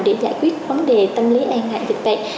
để giải quyết vấn đề tâm lý e ngại dịch bệnh